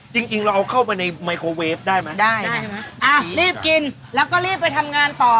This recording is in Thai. จริงเราเอาเข้าไปในไมโครเวฟได้ไหมได้อ่ะรีบกินแล้วก็รีบไปทำงานต่อ